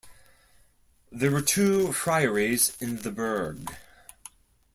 There were two friaries in the burgh.